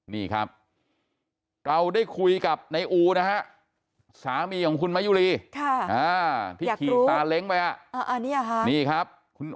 นี่ครับเราได้คุยกับนายอูนะฮะสามีของคุณมะยุรีที่ขี่ซาเล้งไปนี่ครับคุณ